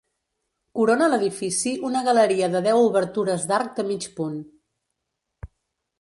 Corona l'edifici una galeria de deu obertures d'arc de mig punt.